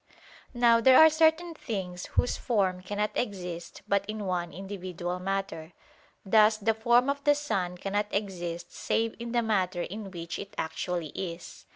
Now there are certain things whose form cannot exist but in one individual matter: thus the form of the sun cannot exist save in the matter in which it actually is.